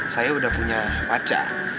saya udah punya pacar